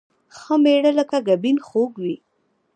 ښه مېړه لکه ګبين خوږ وي